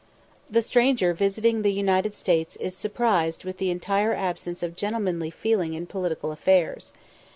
The stranger visiting the United States is surprised with the entire absence of gentlemanly feeling in political affairs.